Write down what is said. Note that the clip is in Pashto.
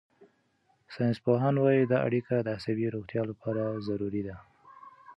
ساینسپوهان وايي دا اړیکه د عصبي روغتیا لپاره ضروري ده.